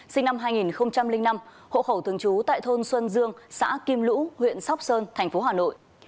sinh năm hai nghìn năm hộ khẩu thường trú tại thôn xuân dương xã kim lũ huyện sóc sơn thành phố hà nội